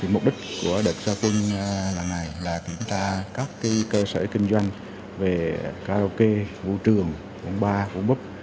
mục đích của đợt giao quân lần này là kiểm tra các cơ sở kinh doanh về karaoke vũ trường quán bar quán pub